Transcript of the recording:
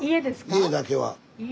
家だけは。